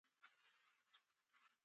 زما نیا له ماسره مینه نه لري.